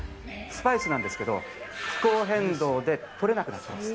スパイスなんですけど、気候変動で取れなくなってます。